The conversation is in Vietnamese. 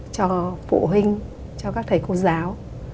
cho phụ huynh cho các thầy cô giáo